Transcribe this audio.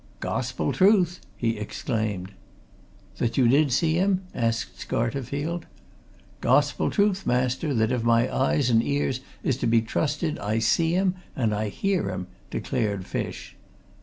"Gospel truth!" he exclaimed. "That you did see him?" asked Scarterfield. "Gospel truth, master, that if my eyes and ears is to be trusted I see him and I hear him!" declared Fish.